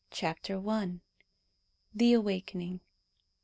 _ CHAPTER I. THE AWAKENING.